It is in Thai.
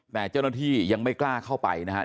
แต่เจ้าหน้าที่ยังไม่กล้าเข้าไปนะครับ